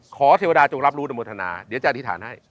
ขอเทวดาตรวงรับรู้ดันบทนาเดี๋ยวเจ้าอธิษฐานให้